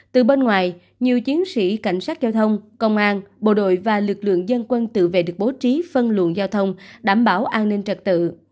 từ bên ngoài nhiều chiến sĩ cảnh sát giao thông công an bộ đội và lực lượng dân quân tự vệ được bố trí phân luận giao thông đảm bảo an ninh trật tự